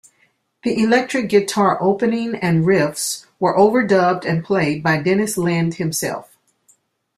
The electric guitar opening and riffs were overdubbed and played by Dennis Linde himself.